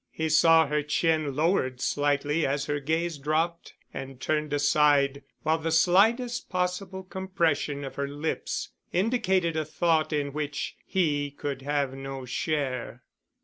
He saw her chin lowered slightly as her gaze dropped and turned aside while the slightest possible compression of her lips indicated a thought in which he could have no share.